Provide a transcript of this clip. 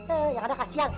eh yang ada kasihan